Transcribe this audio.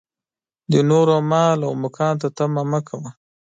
د نورو مال او مقام ته طمعه مه کوه.